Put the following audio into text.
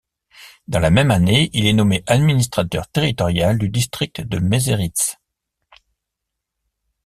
Dans la même année, il est nommé administrateur territorial du district de Meseritz.